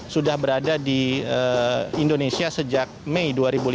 sudah berada di indonesia sejak mei dua ribu lima belas